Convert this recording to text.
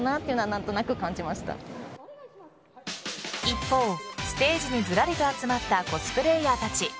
一方、ステージにずらりと集まったコスプレイヤーたち。